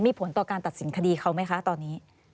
มีผลต่อการตัดสินคดีเขาไหมคะตอนนี้